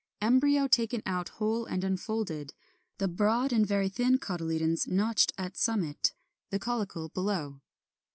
Embryo taken out whole and unfolded; the broad and very thin cotyledons notched at summit; the caulicle below.